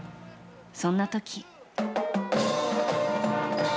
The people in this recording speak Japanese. そんな時。